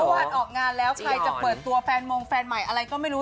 วันออกงานแล้วใครจะเปิดตัวแฟนมงแฟนใหม่อะไรก็ไม่รู้